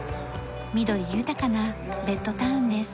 緑豊かなベッドタウンです。